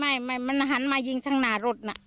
ไม่มันหันมายิงทั้งหน้ารถน่ะ